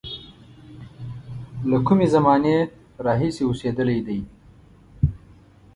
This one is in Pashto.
له کومې زمانې راهیسې اوسېدلی دی.